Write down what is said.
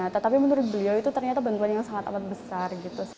tetapi menurut beliau itu ternyata bantuan yang sangat amat besar